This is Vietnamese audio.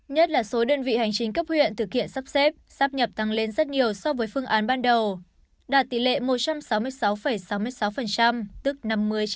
nhất là số đơn vị hành chính cấp huyện thực hiện sắp xếp sắp nhập tăng lên rất nhiều so với phương án ban đầu đạt tỷ lệ một trăm sáu mươi sáu sáu mươi sáu tức năm mươi sáu